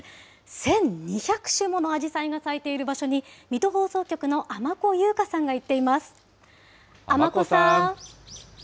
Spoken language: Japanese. １２００種ものアジサイが咲いている場所に、水戸放送局の尼子佑佳さんが行っています。